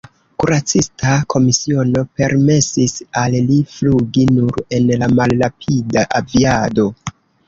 Kuracista komisiono permesis al li flugi nur en la malrapida aviado.